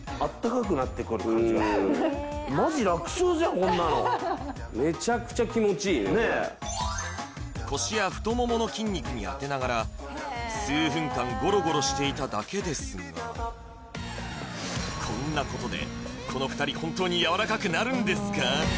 こんなのねえ腰や太ももの筋肉に当てながら数分間ゴロゴロしていただけですがこんなことでこの２人本当にやわらかくなるんですか？